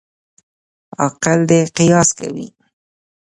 عاقل دي قیاس کوي.